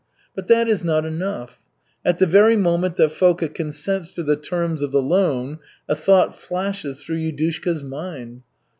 But that is not enough. At the very moment that Foka consents to the terms of the loan, a thought flashes through Yudushka's mind.